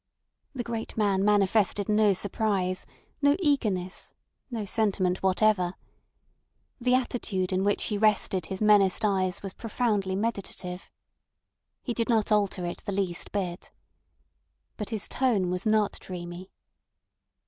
The great man manifested no surprise, no eagerness, no sentiment whatever. The attitude in which he rested his menaced eyes was profoundly meditative. He did not alter it the least bit. But his tone was not dreamy.